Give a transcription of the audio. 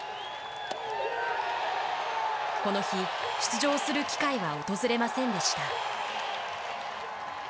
この日、出場する機会は訪れませんでした。